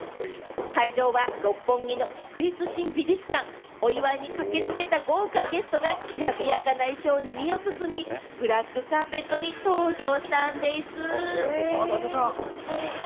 会場は六本木の国立新美術館、お祝いに駆けつけた豪華ゲストがきらびやかな衣装に身を包み、ブラックカーペットに登場したんでぃす。